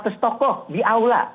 seratus stokoh di aula